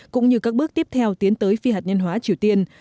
cũng như các bước tiếp theo tiến tới phi hạt nhân hóa triều tiên